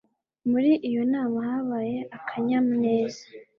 Muri iyo nama habaye akanyamuneza.